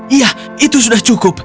iya itu sudah cukup